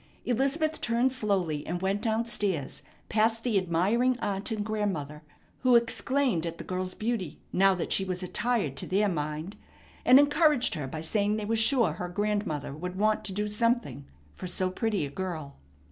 Elizabeth turned slowly, and went down stairs, past the admiring aunt and grandmother, who exclaimed at the girl's beauty, now that she was attired to their mind, and encouraged her by saying they were sure her grandmother would want to do something for so pretty a girl.